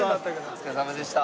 お疲れさまでした。